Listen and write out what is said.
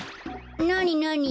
なになに？